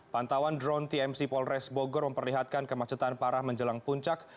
pantauan drone tmc polres bogor memperlihatkan kemacetan parah menjelang puncak